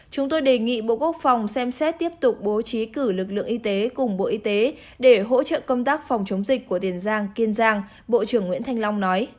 chúng tôi đề nghị bộ quốc phòng xem xét tiếp tục bố trí cử lực lượng y tế cùng bộ y tế để hỗ trợ công tác phòng chống dịch của tiền giang kiên giang bộ trưởng nguyễn thanh long nói